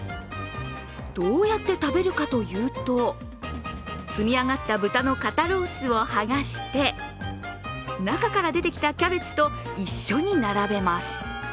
どうやって食べるかというと積み上がった豚の肩ロースを剥がして、中から出てきたキャベツと一緒に並べます。